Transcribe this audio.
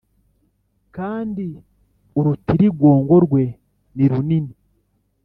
kandi urutirigongo rwe ni runini